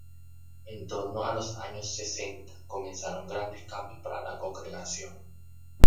En torno a los años sesenta comenzaron grandes cambios para la congregación.